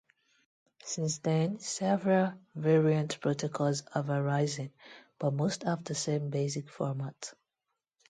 Since then, several variant protocols have arisen, but most have the same basic format.